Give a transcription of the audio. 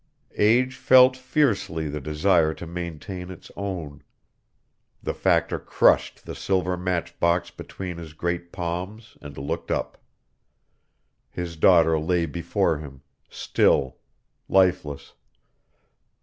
Age felt fiercely the desire to maintain its own. The Factor crushed the silver match box between his great palms and looked up. His daughter lay before him, still, lifeless.